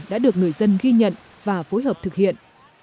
đã được người dân ghi nhận và phối hợp thực hiện